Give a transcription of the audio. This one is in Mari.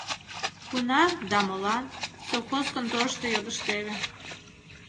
«Кунар да молан?» — совхоз конторышто йодыштеве.